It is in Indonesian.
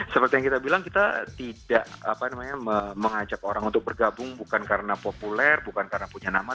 seperti yang kita bilang kita tidak mengajak orang untuk bergabung bukan karena populer bukan karena punya nama